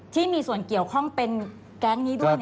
ที่มีส่วนเกี่ยวข้องเป็นแก๊งนี้ด้วย